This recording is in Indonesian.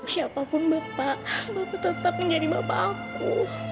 siapapun bapak aku tetap menjadi bapak aku